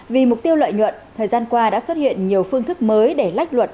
vì mục tiêu lợi nhuận thời gian qua đã xuất hiện nhiều phương thức mới để lách luật